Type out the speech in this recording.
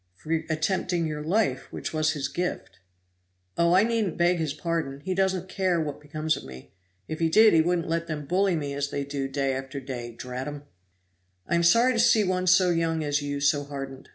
"For attempting your life, which was His gift." "Oh! I needn't beg His pardon; He doesn't care what becomes of me; if He did He wouldn't let them bully me as they do day after day, drat 'em." "I am sorry to see one so young as you so hardened.